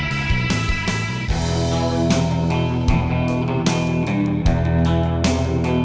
memumumkan resmi sekolah itu makan sedikit makan martin dengan netber seperti ini